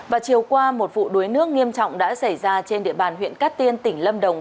và chiều qua một vụ đuối nước nghiêm trọng đã xảy ra trên địa bàn huyện cát tiên tỉnh lâm đồng